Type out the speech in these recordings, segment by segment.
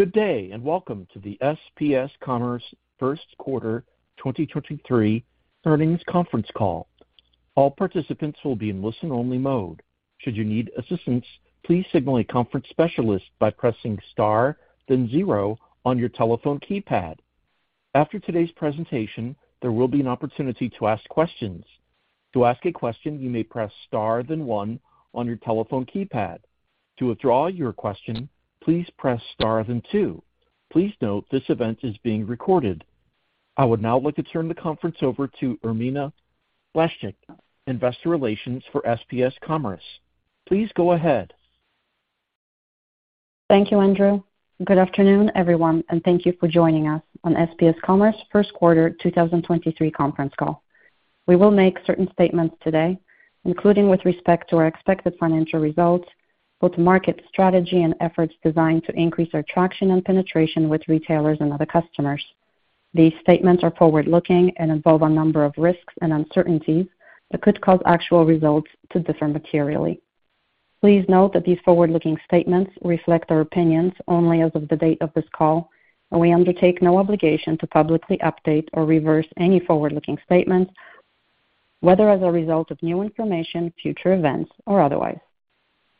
Good day, welcome to the SPS Commerce First Quarter 2023 Earnings Conference Call. All participants will be in listen-only mode. Should you need assistance, please signal a conference specialist by pressing Star, then zero on your telephone keypad. After today's presentation, there will be an opportunity to ask questions. To ask a question, you may press Star then one on your telephone keypad. To withdraw your question, please press Star then two. Please note this event is being recorded. I would now like to turn the conference over to Irmina Blaszczyk, investor relations for SPS Commerce. Please go ahead. Thank you, Andrew, and good afternoon, everyone, and thank you for joining us on SPS Commerce 1st quarter 2023 conference call. We will make certain statements today, including with respect to our expected financial results with market strategy and efforts designed to increase our traction and penetration with retailers and other customers. These statements are forward-looking and involve a number of risks and uncertainties that could cause actual results to differ materially. Please note that these forward-looking statements reflect our opinions only as of the date of this call, and we undertake no obligation to publicly update or reverse any forward-looking statements, whether as a result of new information, future events, or otherwise.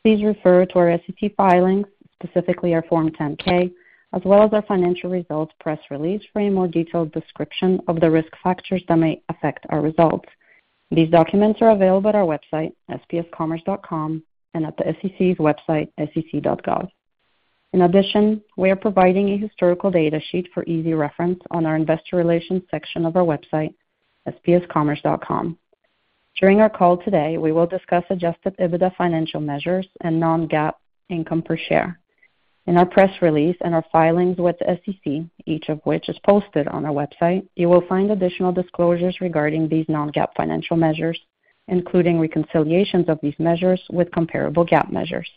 Please refer to our SEC filings, specifically our Form 10-K, as well as our financial results press release for a more detailed description of the risk factors that may affect our results. These documents are available at our website, spscommerce.com, and at the SEC's website, sec.gov. We are providing a historical data sheet for easy reference on our investor relations section of our website, spscommerce.com. During our call today, we will discuss adjusted EBITDA financial measures and non-GAAP income per share. In our press release and our filings with the SEC, each of which is posted on our website, you will find additional disclosures regarding these non-GAAP financial measures, including reconciliations of these measures with comparable GAAP measures.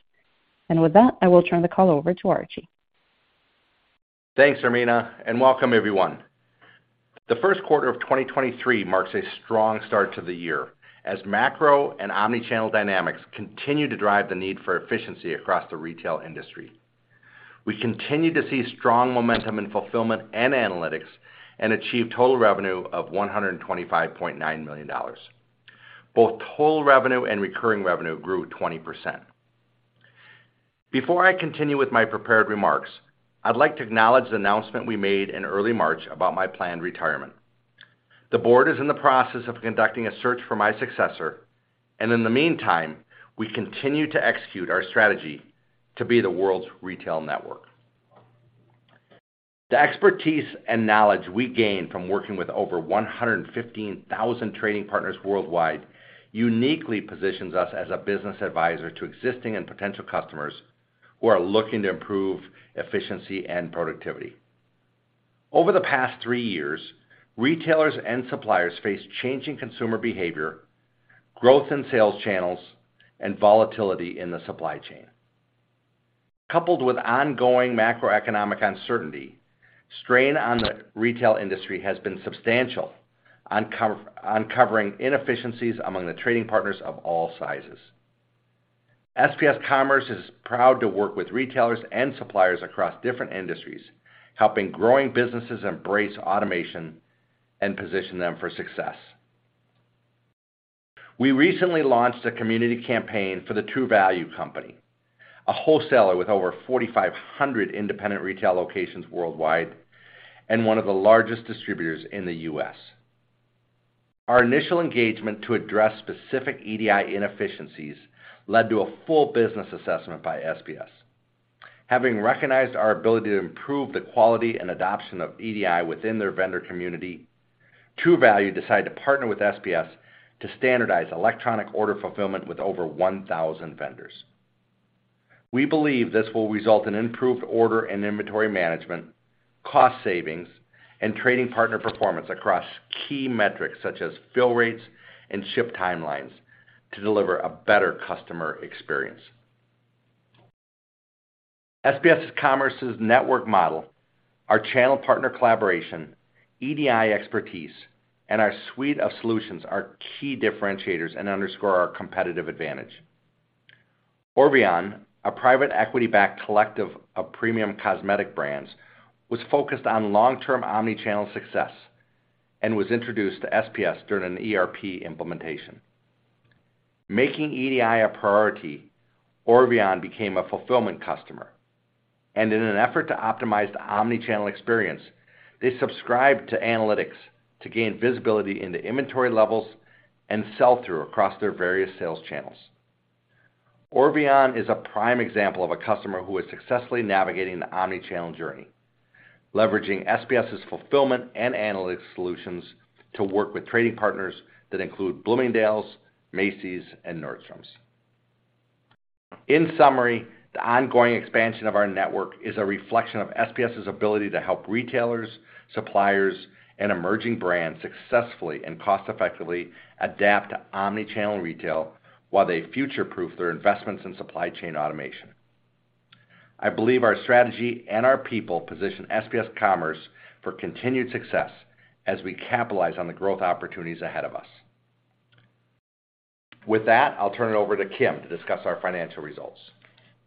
I will turn the call over to Archie. Thanks, Irmina, and welcome, everyone. The first quarter of 2023 marks a strong start to the year as macro and omni-channel dynamics continue to drive the need for efficiency across the retail industry. We continue to see strong momentum in fulfillment and analytics and achieve total revenue of $125.9 million. Both total revenue and recurring revenue grew 20%. Before I continue with my prepared remarks, I'd like to acknowledge the announcement we made in early March about my planned retirement. The board is in the process of conducting a search for my successor, and in the meantime, we continue to execute our strategy to be the world's retail network. The expertise and knowledge we gain from working with over 115,000 trading partners worldwide uniquely positions us as a business advisor to existing and potential customers who are looking to improve efficiency and productivity. Over the past three years, retailers and suppliers face changing consumer behavior, growth in sales channels, and volatility in the supply chain. Coupled with ongoing macroeconomic uncertainty, strain on the retail industry has been substantial, uncovering inefficiencies among the trading partners of all sizes. SPS Commerce is proud to work with retailers and suppliers across different industries, helping growing businesses embrace automation and position them for success. We recently launched a community campaign for the True Value Company, a wholesaler with over 4,500 independent retail locations worldwide, and one of the largest distributors in the U.S. Our initial engagement to address specific EDI inefficiencies led to a full business assessment by SPS. Having recognized our ability to improve the quality and adoption of EDI within their vendor community, True Value decided to partner with SPS to standardize electronic order fulfillment with over 1,000 vendors. We believe this will result in improved order and inventory management, cost savings, and trading partner performance across key metrics such as fill rates and ship timelines to deliver a better customer experience. SPS Commerce's network model, our channel partner collaboration, EDI expertise, and our suite of solutions are key differentiators and underscore our competitive advantage. Orveon, a private equity-backed collective of premium cosmetic brands, was focused on long-term omni-channel success and was introduced to SPS during an ERP implementation. Making EDI a priority, Orveon became a fulfillment customer. In an effort to optimize the omni-channel experience, they subscribed to analytics to gain visibility into inventory levels and sell through across their various sales channels. Orveon is a prime example of a customer who is successfully navigating the omni-channel journey, leveraging SPS's fulfillment and analytics solutions to work with trading partners that include Bloomingdale's, Macy's, and Nordstrom. In summary, the ongoing expansion of our network is a reflection of SPS's ability to help retailers, suppliers, and emerging brands successfully and cost effectively adapt to omni-channel retail while they future-proof their investments in supply chain automation. I believe our strategy and our people position SPS Commerce for continued success as we capitalize on the growth opportunities ahead of us. With that, I'll turn it over to Kim to discuss our financial results.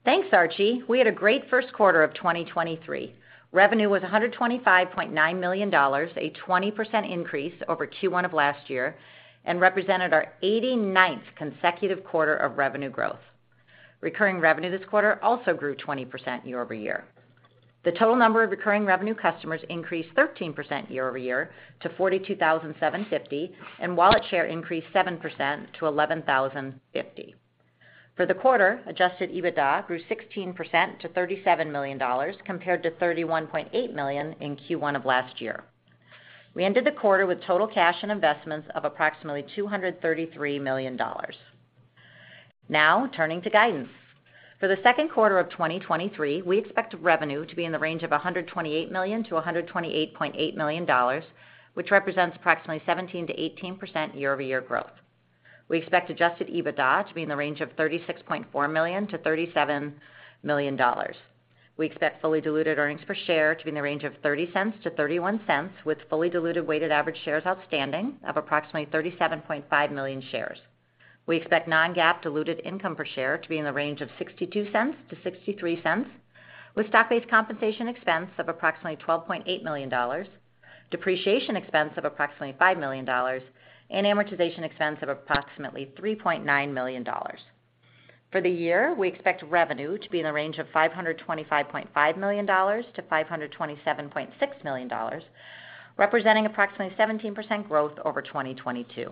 Thanks, Archie. We had a great first quarter of 2023. Revenue was $125.9 million, a 20% increase over Q1 of last year, represented our 89th consecutive quarter of revenue growth. Recurring revenue this quarter also grew 20% year-over-year. The total number of recurring revenue customers increased 13% year-over-year to 42,750, and wallet share increased 7% to 11,050. For the quarter, adjusted EBITDA grew 16% to $37 million, compared to $31.8 million in Q1 of last year. We ended the quarter with total cash and investments of approximately $233 million. Turning to guidance. For the second quarter of 2023, we expect revenue to be in the range of $128 million to $128.8 million, which represents approximately 17%-18% year-over-year growth. We expect adjusted EBITDA to be in the range of $36.4 million to $37 million. We expect fully diluted earnings per share to be in the range of $0.30 to $0.31, with fully diluted weighted average shares outstanding of approximately 37.5 million shares. We expect non-GAAP diluted income per share to be in the range of $0.62 to $0.63, with stock-based compensation expense of approximately $12.8 million, depreciation expense of approximately $5 million, and amortization expense of approximately $3.9 million. For the year, we expect revenue to be in the range of $525.5 million to $527.6 million, representing approximately 17% growth over 2022.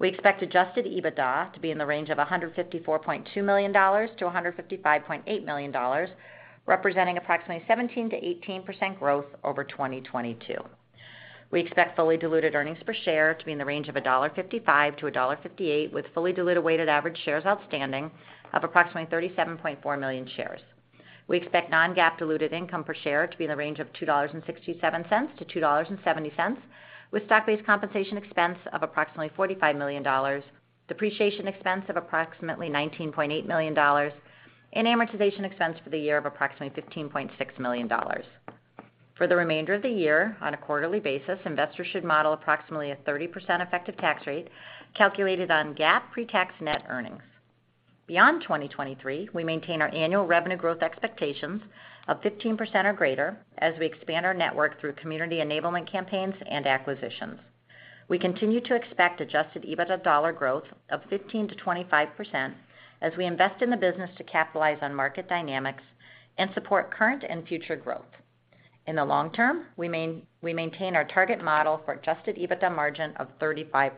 We expect adjusted EBITDA to be in the range of $154.2 million to $155.8 million, representing approximately 17%-18% growth over 2022. We expect fully diluted earnings per share to be in the range of $1.55 to $1.58, with fully diluted weighted average shares outstanding of approximately 37.4 million shares. We expect non-GAAP diluted income per share to be in the range of $2.67 to $2.70, with stock-based compensation expense of approximately $45 million, depreciation expense of approximately $19.8 million, and amortization expense for the year of approximately $15.6 million. For the remainder of the year on a quarterly basis, investors should model approximately a 30% effective tax rate calculated on GAAP pre-tax net earnings. Beyond 2023, we maintain our annual revenue growth expectations of 15% or greater as we expand our network through community enablement campaigns and acquisitions. We continue to expect adjusted EBITDA dollar growth of 15%-25% as we invest in the business to capitalize on market dynamics and support current and future growth. In the long term, we maintain our target model for adjusted EBITDA margin of 35%.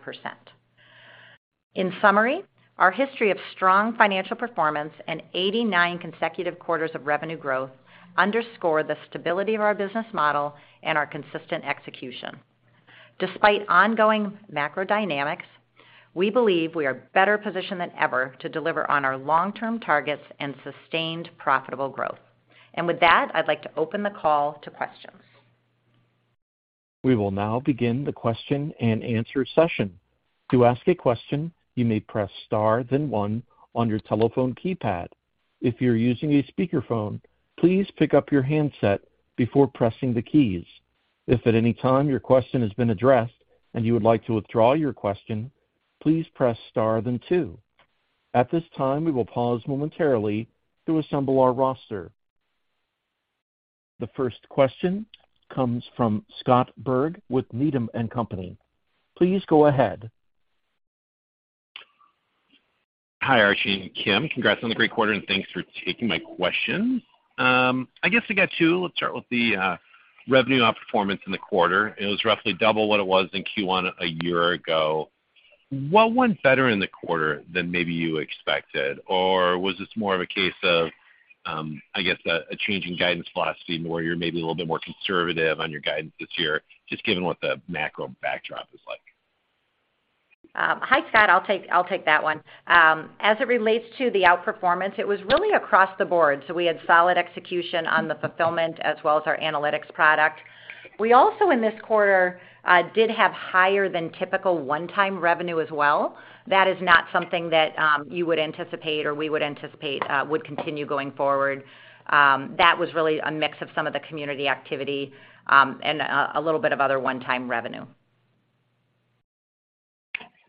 In summary, our history of strong financial performance and 89 consecutive quarters of revenue growth underscore the stability of our business model and our consistent execution. Despite ongoing macro dynamics, we believe we are better positioned than ever to deliver on our long-term targets and sustained profitable growth. With that, I'd like to open the call to questions. We will now begin the question and answer session. To ask a question, you may press Star, then one on your telephone keypad. If you're using a speakerphone, please pick up your handset before pressing the keys. If at any time your question has been addressed and you would like to withdraw your question, please press Star, then two. At this time, we will pause momentarily to assemble our roster. The first question comes from Scott Berg with Needham & Company. Please go ahead. Hi, Archie and Kim. Congrats on the great quarter. Thanks for taking my questions. I guess I got two. Let's start with the revenue outperformance in the quarter. It was roughly double what it was in Q1 a year ago. What went better in the quarter than maybe you expected? Was this more of a case of, I guess a changing guidance philosophy where you're maybe a little bit more conservative on your guidance this year, just given what the macro backdrop is like? Hi, Scott. I'll take that one. As it relates to the outperformance, it was really across the board. We had solid execution on the fulfillment as well as our analytics product. We also, in this quarter, did have higher than typical one-time revenue as well. That is not something that you would anticipate or we would anticipate, would continue going forward. That was really a mix of some of the community activity, and a little bit of other one-time revenue.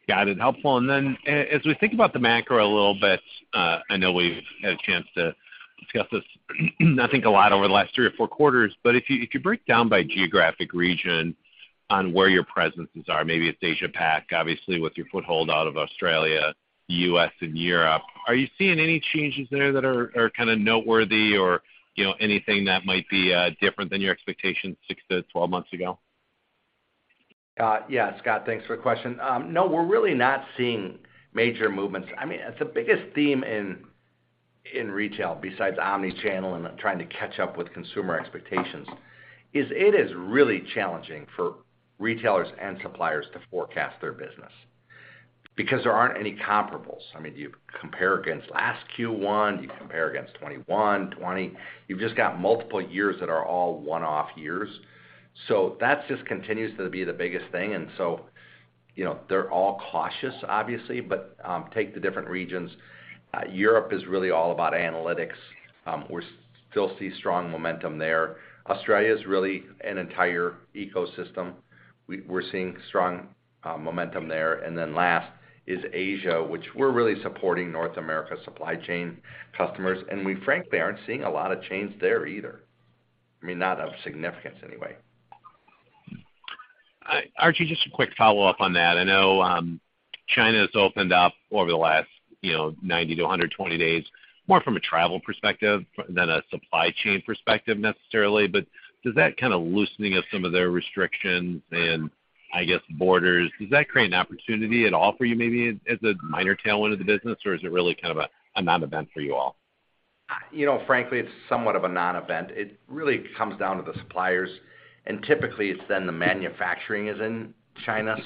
Got it. Helpful. Then as we think about the macro a little bit, I know we've had a chance to discuss this I think a lot over the last three or four quarters, if you, if you break down by geographic region on where your presences are, maybe it's Asia Pac, obviously with your foothold out of Australia, U.S., and Europe, are you seeing any changes there that are kind of noteworthy or, you know, anything that might be different than your expectations 6 to 12 months ago? Yeah, Scott, thanks for the question. No, we're really not seeing major movements. I mean, the biggest theme in retail, besides omni-channel and trying to catch up with consumer expectations, it is really challenging for retailers and suppliers to forecast their business because there aren't any comparables. I mean, do you compare against last Q1? Do you compare against 21, 20? You've just got multiple years that are all one-off years. That just continues to be the biggest thing. You know, they're all cautious obviously, but, take the different regions. Europe is really all about analytics. We're still see strong momentum there. Australia is really an entire ecosystem. We're seeing strong momentum there. Last is Asia, which we're really supporting North America supply chain customers, and we frankly aren't seeing a lot of change there either. I mean, not of significance anyway. Archie, just a quick follow-up on that. I know, China has opened up over the last, you know, 90-120 days, more from a travel perspective than a supply chain perspective necessarily. Does that kind of loosening of some of their restrictions and, I guess, borders, does that create an opportunity at all for you maybe as a minor tailwind of the business, or is it really kind of a non-event for you all? You know, frankly, it's somewhat of a non-event. It really comes down to the suppliers, and typically it's then the manufacturing is in China.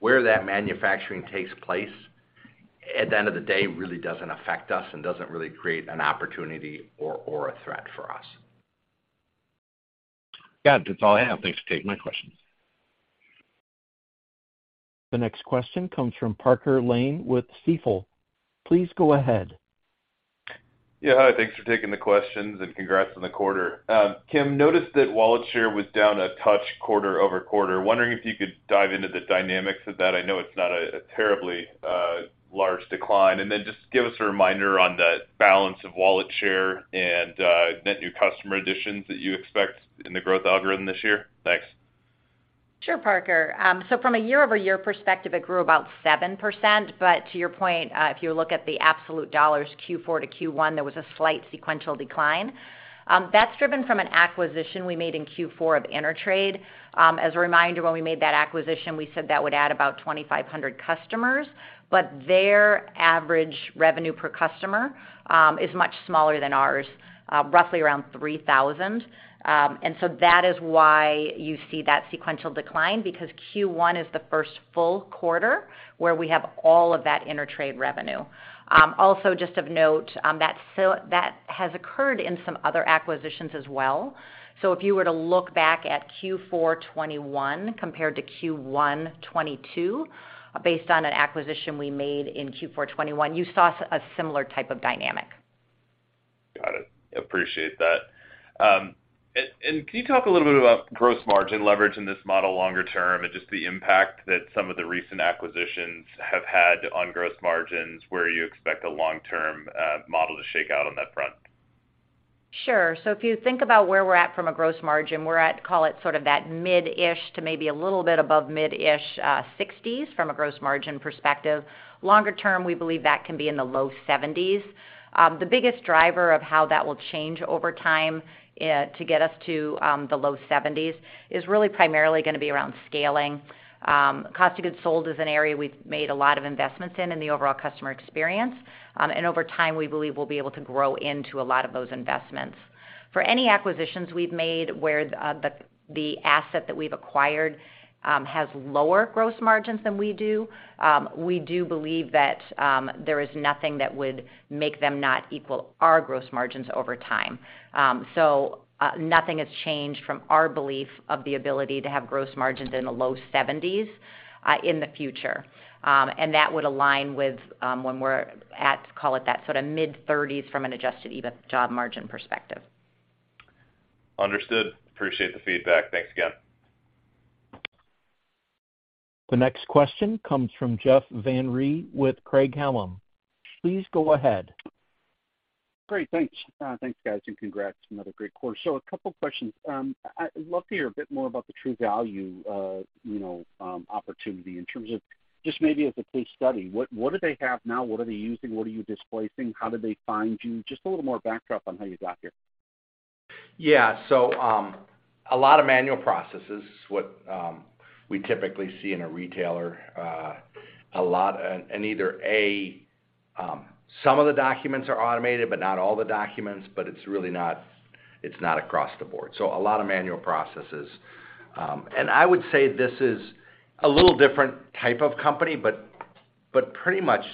Where that manufacturing takes place, at the end of the day, really doesn't affect us and doesn't really create an opportunity or a threat for us. Yeah. That's all I have. Thanks for taking my questions. The next question comes from Parker Lane with Stifel. Please go ahead. Yeah. Hi, thanks for taking the questions, and congrats on the quarter. Kim, noticed that wallet share was down a touch quarter-over-quarter. Wondering if you could dive into the dynamics of that. I know it's not a terribly large decline. Then just give us a reminder on the balance of wallet share and net new customer additions that you expect in the growth algorithm this year. Thanks. Sure, Parker. From a year-over-year perspective, it grew about 7%. To your point, if you look at the absolute dollars Q4 to Q1, there was a slight sequential decline. That's driven from an acquisition we made in Q4 of InterTrade. As a reminder, when we made that acquisition, we said that would add about 2,500 customers, but their average revenue per customer is much smaller than ours, roughly around $3,000. That is why you see that sequential decline because Q1 is the first full quarter where we have all of that InterTrade revenue. Also just of note, that has occurred in some other acquisitions as well. If you were to look back at Q4 2021 compared to Q1 2022, based on an acquisition we made in Q4 2021, you saw a similar type of dynamic. Got it. Appreciate that. Can you talk a little bit about gross margin leverage in this model longer term and just the impact that some of the recent acquisitions have had on gross margins, where you expect the long-term model to shake out on that front? Sure. If you think about where we're at from a gross margin, we're at, call it, sort of that mid-ish to maybe a little bit above mid-ish, 60s from a gross margin perspective. Longer term, we believe that can be in the low 70s. The biggest driver of how that will change over time, to get us to the low 70s is really primarily gonna be around scaling. Cost of goods sold is an area we've made a lot of investments in the overall customer experience. Over time, we believe we'll be able to grow into a lot of those investments. For any acquisitions we've made where the asset that we've acquired, has lower gross margins than we do, we do believe that there is nothing that would make them not equal our gross margins over time. Nothing has changed from our belief of the ability to have gross margins in the low 70s in the future. That would align with when we're at, call it that, sort of mid-30s from an adjusted EBITDA margin perspective. Understood. Appreciate the feedback. Thanks again. The next question comes from Jeff Van Rhee with Craig-Hallum. Please go ahead. Great. Thanks. Thanks, guys, and congrats on another great quarter. A couple questions. I'd love to hear a bit more about the True Value, you know, opportunity in terms of just maybe as a case study. What do they have now? What are they using? What are you displacing? How did they find you? Just a little more backdrop on how you got here. Yeah. A lot of manual processes is what we typically see in a retailer. Either, A, some of the documents are automated, but not all the documents, but it's really not across the board, so a lot of manual processes. I would say this is a little different type of company, but pretty much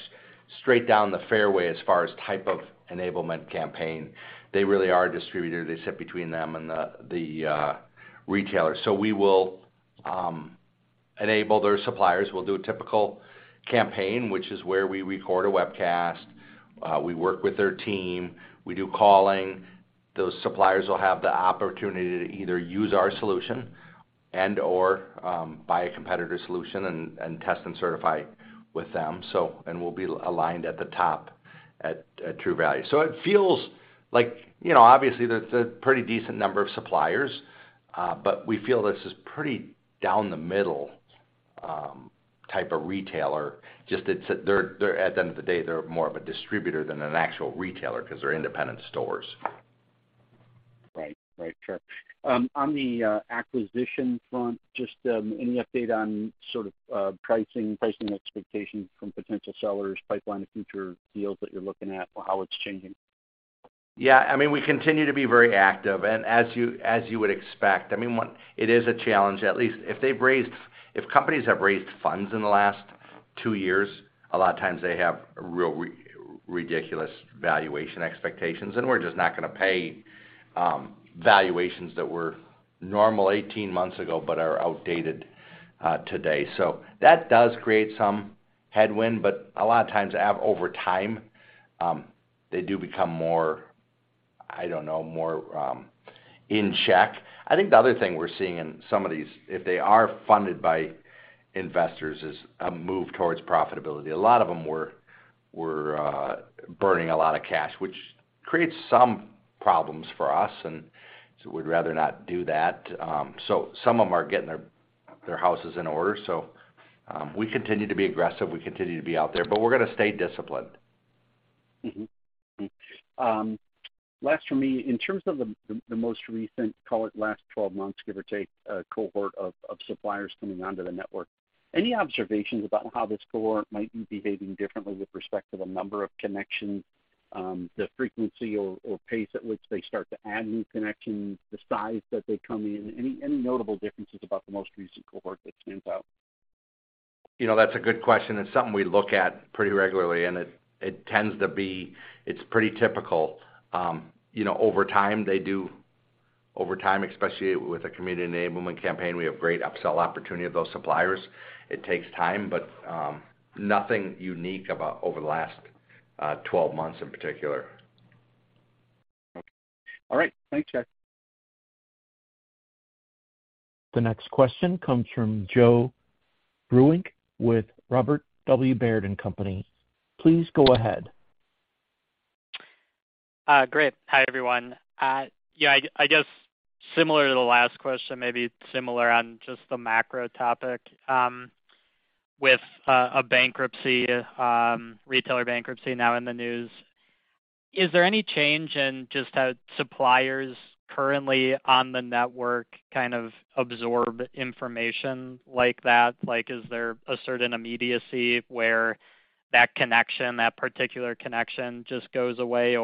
straight down the fairway as far as type of enablement campaign. They really are a distributor. They sit between them and the retailers. We will enable their suppliers. We'll do a typical campaign, which is where we record a webcast, we work with their team, we do calling. Those suppliers will have the opportunity to either use our solution and/or buy a competitor solution and test and certify with them. We'll be aligned at the top at True Value. It feels like... You know, obviously, there's a pretty decent number of suppliers, but we feel this is pretty down the middle, type of retailer. Just at the end of the day, they're more of a distributor than an actual retailer 'cause they're independent stores. Right. Right. Sure. on the acquisition front, just any update on sort of pricing expectations from potential sellers, pipeline of future deals that you're looking at or how it's changing? Yeah. I mean, we continue to be very active. As you would expect, I mean, one, it is a challenge, at least if companies have raised funds in the last two years, a lot of times they have real ridiculous valuation expectations, and we're just not gonna pay valuations that were normal 18 months ago but are outdated today. That does create some headwind, but a lot of times over time, they do become more, I don't know, more in check. I think the other thing we're seeing in some of these, if they are funded by investors, is a move towards profitability. A lot of them were burning a lot of cash, which creates some problems for us, and so we'd rather not do that. Some of them are getting their houses in order. We continue to be aggressive. We continue to be out there, but we're gonna stay disciplined. Last for me, in terms of the most recent, call it last 12 months, give or take, cohort of suppliers coming onto the network, any observations about how this cohort might be behaving differently with respect to the number of connections, the frequency or pace at which they start to add new connections, the size that they come in? Any notable differences about the most recent cohort that stands out? You know, that's a good question. It's something we look at pretty regularly, and it tends to be. It's pretty typical. You know, over time, they do. Over time, especially with the community enablement campaign, we have great upsell opportunity of those suppliers. It takes time, but nothing unique about over the last 12 months in particular. Okay. All right. Thanks, Black. The next question comes from Joe Vruwink with Robert W. Baird & Company. Please go ahead. Great. Hi, everyone. Yeah, I guess similar to the last question, maybe similar on just the macro topic, with a bankruptcy, retailer bankruptcy now in the news, is there any change in just how suppliers currently on the network kind of absorb information like that? Like, is there a certain immediacy where that connection, that particular connection just goes away?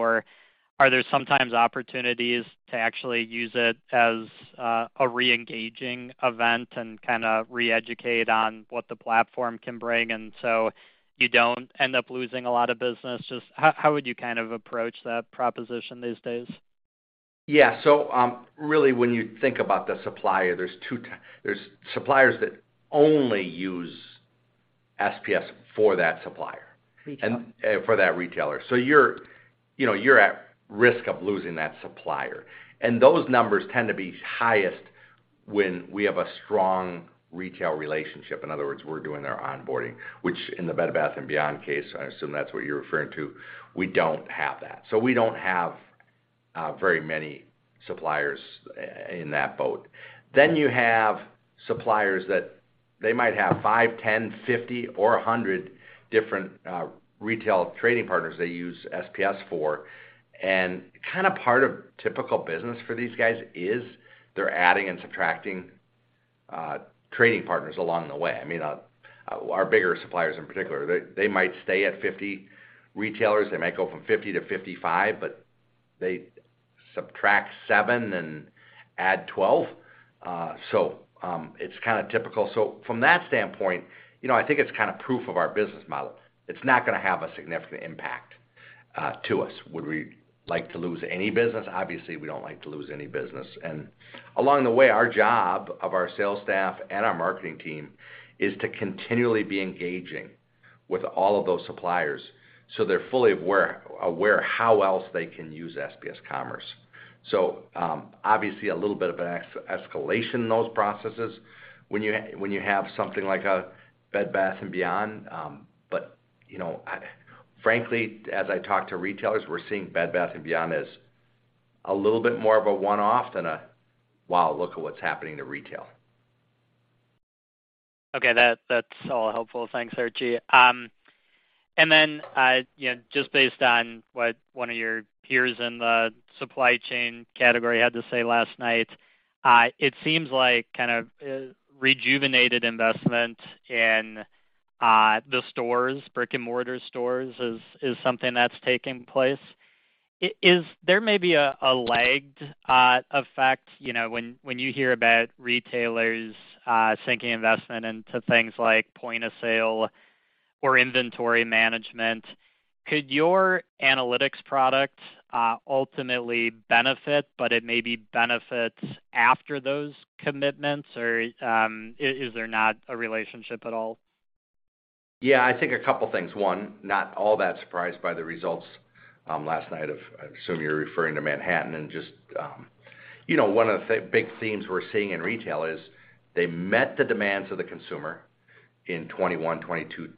Or are there sometimes opportunities to actually use it as a re-engaging event and kinda re-educate on what the platform can bring, and so you don't end up losing a lot of business? Just how would you kind of approach that proposition these days? Yeah. really when you think about the supplier, there's suppliers that only use SPS for that supplier. Retailer. For that retailer. You're, you know, you're at risk of losing that supplier. Those numbers tend to be highest when we have a strong retail relationship. In other words, we're doing their onboarding, which in the Bed Bath & Beyond case, I assume that's what you're referring to, we don't have that. We don't have very many suppliers in that boat. You have suppliers that they might have 5, 10, 50, or 100 different retail trading partners they use SPS for, kinda part of typical business for these guys is they're adding and subtracting trading partners along the way. Our bigger suppliers in particular, they might stay at 50 retailers. They might go from 50 to 55, but they subtract 7 and add 12, it's kinda typical. From that standpoint, you know, I think it's kinda proof of our business model. It's not gonna have a significant impact to us. Would we like to lose any business? Obviously, we don't like to lose any business. Along the way, our job of our sales staff and our marketing team is to continually be engaging with all of those suppliers, so they're fully aware how else they can use SPS Commerce. Obviously a little bit of an escalation in those processes when you have something like a Bed Bath & Beyond. Frankly, as I talk to retailers, we're seeing Bed Bath & Beyond as a little bit more of a one-off than a, "Wow, look at what's happening to retail. Okay. That's all helpful. Thanks, Archie. you know, just based on what one of your peers in the supply chain category had to say last night, it seems like kind of rejuvenated investment in the stores, brick-and-mortar stores is something that's taking place. There may be a lagged effect, you know, when you hear about retailers sinking investment into things like point-of-sale or inventory management. Could your analytics product ultimately benefit, but it maybe benefits after those commitments? Is there not a relationship at all? I think a couple things. One, not all that surprised by the results, last night of, I assume you're referring to Manhattan, and just, you know, one of the big themes we're seeing in retail is they met the demands of the consumer in 2021, 2022,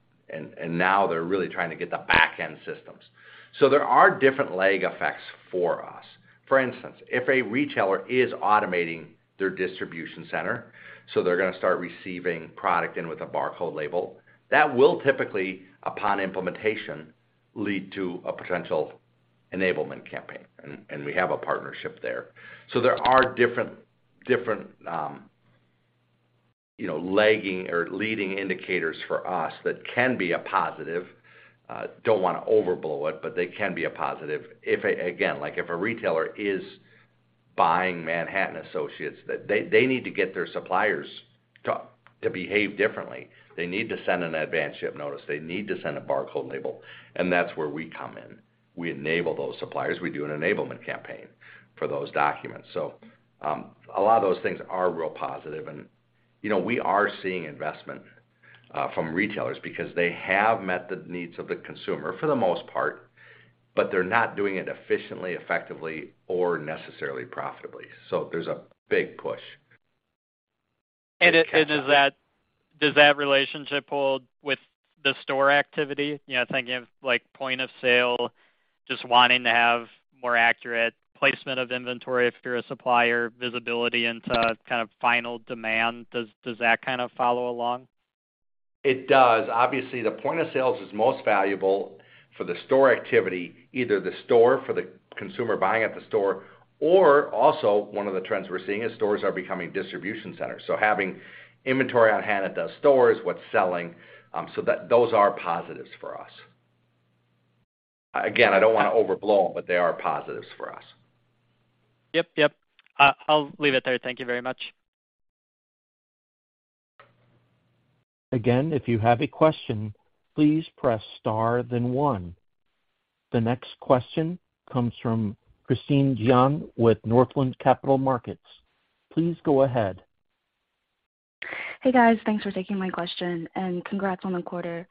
and now they're really trying to get the back-end systems. There are different lag effects for us. For instance, if a retailer is automating their distribution center, so they're gonna start receiving product in with a barcode label, that will typically, upon implementation, lead to a potential enablement campaign, and we have a partnership there. There are different, you know, lagging or leading indicators for us that can be a positive. Don't wanna overblow it, they can be a positive if, again, like if a retailer is buying Manhattan Associates that they need to get their suppliers to behave differently. They need to send an advance ship notice. They need to send a barcode label, that's where we come in. We enable those suppliers. We do an enablement campaign for those documents. A lot of those things are real positive, you know, we are seeing investment from retailers because they have met the needs of the consumer for the most part, they're not doing it efficiently, effectively, or necessarily profitably. There's a big push. Does that relationship hold with the store activity? You know, thinking of like point-of-sale just wanting to have more accurate placement of inventory if you're a supplier, visibility into kind of final demand. Does that kind of follow along? It does. Obviously, the point-of-sale is most valuable for the store activity, either the store for the consumer buying at the store or also one of the trends we're seeing is stores are becoming distribution centers. Having inventory on hand at the stores, what's selling, so that those are positives for us. I don't wanna overblow them, but they are positives for us. Yep. I'll leave it there. Thank you very much. Again, if you have a question, please press star then one. The next question comes from Christine Jiang with Northland Capital Markets. Please go ahead. Hey, guys. Thanks for taking my question, and congrats on the quarter.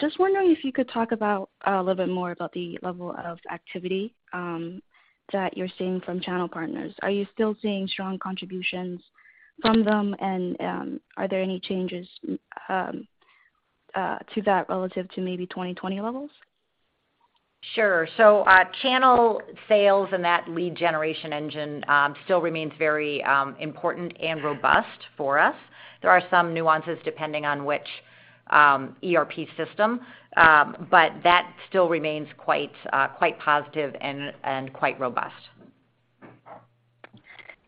Just wondering if you could talk about a little bit more about the level of activity that you're seeing from channel partners. Are you still seeing strong contributions from them and are there any changes to that relative to maybe 2020 levels? Sure. Channel sales and that lead generation engine still remains very important and robust for us. There are some nuances depending on which ERP system, that still remains quite positive and quite robust.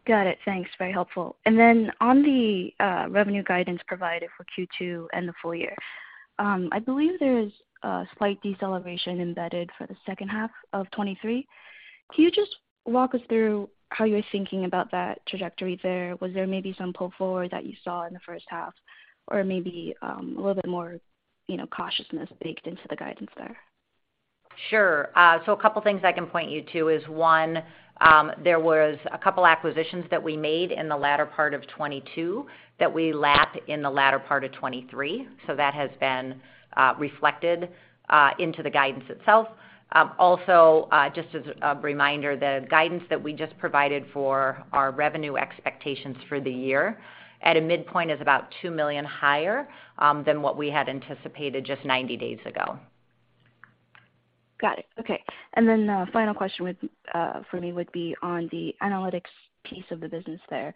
Got it. Thanks, very helpful. Then on the revenue guidance provided for Q2 and the full year, I believe there's a slight deceleration embedded for the H2 of 2023. Can you just walk us through how you're thinking about that trajectory there? Was there maybe some pull-forward that you saw in the H1 or maybe, a little bit more, you know, cautiousness baked into the guidance there? Sure. A couple things I can point you to is, one, there was a couple acquisitions that we made in the latter part of 2022 that we lapped in the latter part of 2023. That has been reflected into the guidance itself. Just as a reminder, the guidance that we just provided for our revenue expectations for the year at a midpoint is about $2 million higher than what we had anticipated just 90 days ago. Got it. Okay. The final question would for me would be on the analytics piece of the business there.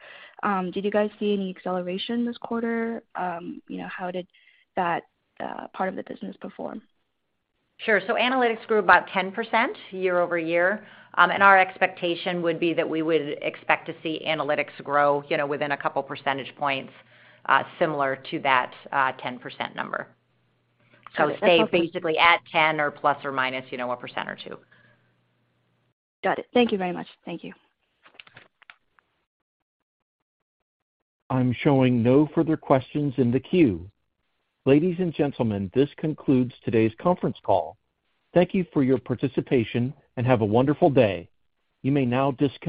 Did you guys see any acceleration this quarter? You know, how did that part of the business perform? Sure. analytics grew about 10% year-over-year. Our expectation would be that we would expect to see analytics grow, you know, within a couple percentage points similar to that 10% number. stay basically at 10 or ±, you know, 1% or 2%. Got it. Thank you very much. Thank you. I'm showing no further questions in the queue. Ladies and gentlemen, this concludes today's conference call. Thank you for your participation and have a wonderful day. You may now disconnect.